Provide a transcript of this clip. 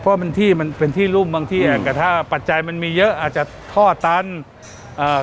เพราะมันที่มันเป็นที่รุ่มบางที่อ่ะแต่ถ้าปัจจัยมันมีเยอะอาจจะท่อตันเอ่อ